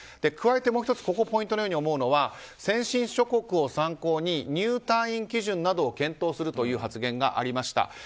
加えてもう１つここポイントのように思うのは先進諸国を参考に入退院基準などを検討するという発言がありました。